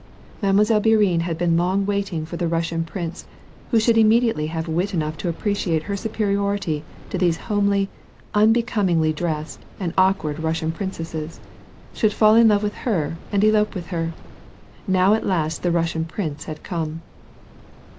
Mile. Bourienne had been long waiting for the Russian prince, who should immediately have wit enough to appreciate her superiority to these homely, unbe comingly dressed, and awkward Russian princesses, should fall in love with her, and elope with her ; now at last the Russian prince had come.